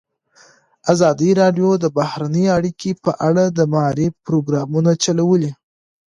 ازادي راډیو د بهرنۍ اړیکې په اړه د معارفې پروګرامونه چلولي.